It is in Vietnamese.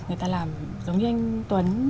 người ta làm giống như anh tuấn